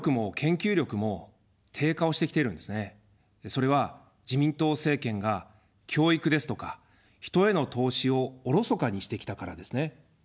それは自民党政権が教育ですとか、人への投資をおろそかにしてきたからですね。